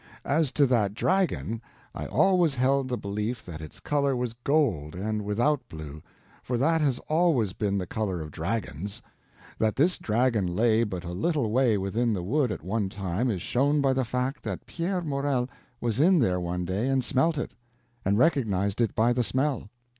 As to that dragon, I always held the belief that its color was gold and without blue, for that has always been the color of dragons. That this dragon lay but a little way within the wood at one time is shown by the fact that Pierre Morel was in there one day and smelt it, and recognized it by the smell.